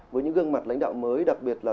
với những gương mặt lãnh đạo mới đặc biệt là